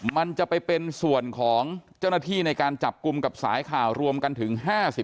มันจะไปเป็นส่วนของเจ้าหน้าที่ในการจับกลุ่มกับสายข่าวรวมกันถึง๕๐